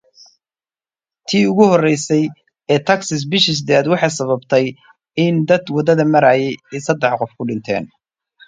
The first struck Texas in August, causing street flooding and killing three.